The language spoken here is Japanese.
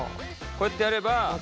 こうやってやれば。